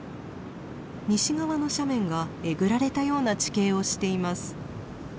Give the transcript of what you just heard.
西側の斜面がえぐられたような地形をしています。